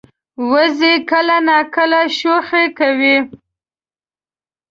وزې کله ناکله شوخي کوي